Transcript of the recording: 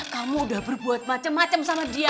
kamu udah berbuat macem macem sama dia